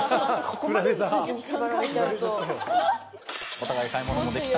お互い買い物もできた。